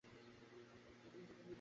আমার মনে নেই।